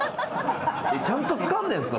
ちゃんとつかんでるんすか？